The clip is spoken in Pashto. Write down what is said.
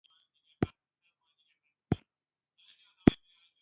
هغوی لوړې خبرې کولې، خو عمل نه و.